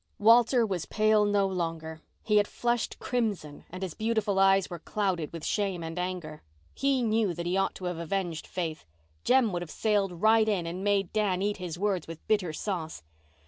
Walter was pale no longer. He had flushed crimson and his beautiful eyes were clouded with shame and anger. He knew that he ought to have avenged Faith. Jem would have sailed right in and made Dan eat his words with bitter sauce.